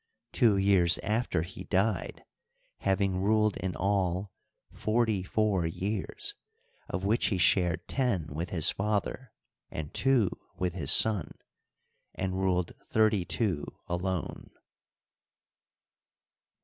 Two years after he died, having ruled in all forty four years, of which he shared ten with his father and two with his son, and ruled thirty two alone.